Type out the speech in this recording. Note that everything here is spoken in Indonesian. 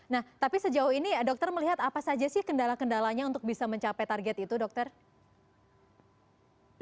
nah tapi sejauh ini dokter melihat apa saja sih kendala kendalanya untuk bisa mencapai target itu dokter